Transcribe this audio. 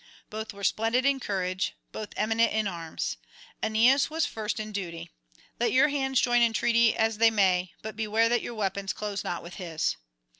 Both were splendid in courage, both eminent in arms; Aeneas was first in duty. Let your hands join in treaty as they may; but beware that your weapons close not with his."